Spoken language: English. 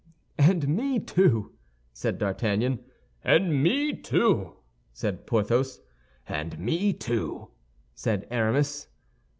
"And me, too!" said D'Artagnan. "And me, too!" said Porthos. "And me, too!" said Aramis.